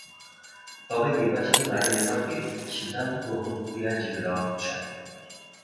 তবে নির্বাচিত নারী মেম্বারকে সিদ্ধান্ত গ্রহণ প্রক্রিয়ায় যেতে দেওয়া হচ্ছে না।